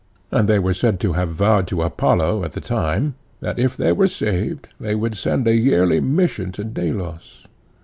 And they were said to have vowed to Apollo at the time, that if they were saved they would send a yearly mission to Delos.